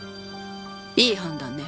いい判断ね。